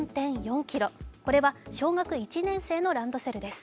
これは小学１年生のランドセルです